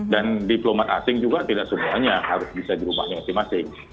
dan diplomat asing juga tidak semuanya harus bisa di rumahnya masing masing